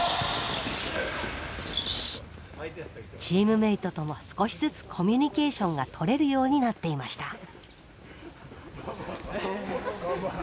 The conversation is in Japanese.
チームメートとも少しずつコミュニケーションがとれるようになっていました。